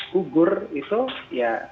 kugur itu ya